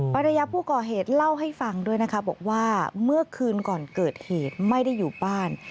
ภรรยาผู้ก่อเหตุเล่าให้ฟังด้วยนะคะบอกว่าเมื่อคืนก่อนเกิดเหตุไม่ได้อยู่บ้าน